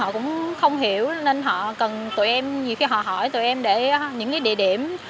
họ cũng không hiểu nên họ cần tụi em nhiều khi họ hỏi tụi em để những cái địa điểm